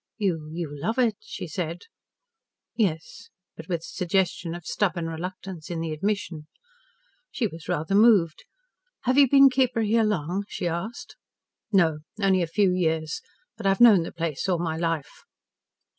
"You you love it!" she said. "Yes," but with a suggestion of stubborn reluctance in the admission. She was rather moved. "Have you been keeper here long?" she asked. "No only a few years. But I have known the place all my life."